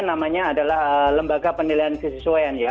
namanya adalah lembaga penilaian kesesuaian ya